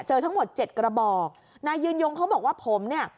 ทั้งหมดเจ็ดกระบอกนายยืนยงเขาบอกว่าผมเนี่ย